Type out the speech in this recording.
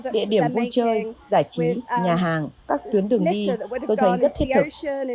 địa điểm vui chơi giải trí nhà hàng các tuyến đường đi tôi thấy rất thiết thực